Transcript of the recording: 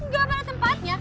gak pada tempatnya